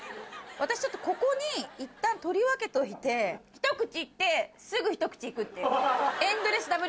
私ちょっとここにいったん取り分けといてひと口行ってすぐひと口行くっていう。